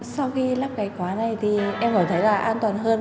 sau khi lắp cái khóa này thì em cảm thấy là an toàn hơn